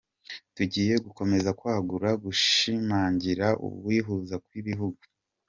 Tugiye gukomeza kwagura no gushimangira ukwihuza kw’ibihugu.